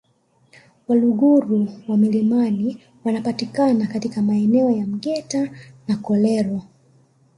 Waluguru wa milimani wanapatikana katika maeneo ya Mgeta na Kolero